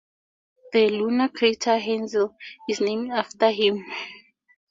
The lunar crater Hainzel is named after him.